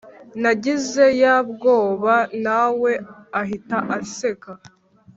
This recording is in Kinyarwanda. nagize ybwoba nawe ahita anseka